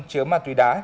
chứa ma túy đá